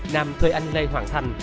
nam thuê anh lê hoàng thành